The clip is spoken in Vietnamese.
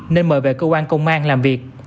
nên mời về cơ quan công an làm việc